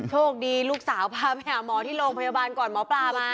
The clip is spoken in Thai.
โชคดีลูกสาวพาไปหาหมอที่โรงพยาบาลก่อนหมอปลามา